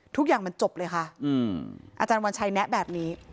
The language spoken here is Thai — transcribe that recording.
ทุกอย่างมันจบเลยค่ะอาจารย์วันชัยแนะแบบนี้